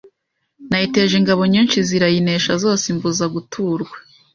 Nayiteje ingabo nyinshi irazinesha zose imbuza guturwa